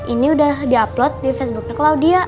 ini udah di upload di facebooknya claudia